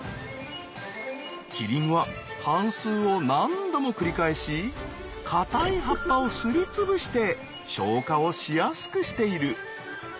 キリンは反すうを何度も繰り返し硬い葉っぱをすりつぶして消化をしやすくしている。